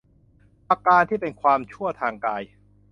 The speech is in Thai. ประการที่เป็นความชั่วทางกาย